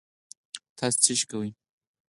تاسو څه شئ کوی